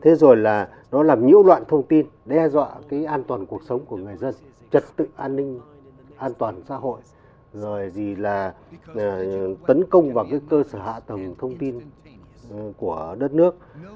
thế rồi là nó làm nhiễu loạn thông tin đe dọa cái an toàn cuộc sống của người dân trật tự an ninh an toàn xã hội rồi gì là tấn công vào cái cơ sở hạ tầng thông tin của đất nước